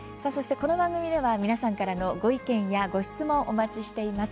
この番組では視聴者の皆さんからのご意見・ご質問を募集しています。